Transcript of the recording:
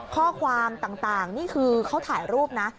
ข้อความต่างนี่คือเขาถ่ายรูปนะ